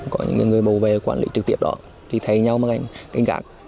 có những người bầu vệ quản lý trực tiếp đó thì thấy nhau mà cảnh gạc